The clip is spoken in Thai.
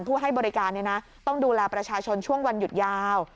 ให้บริการต้องดูแลประชาชนช่วงวันหยุดยาว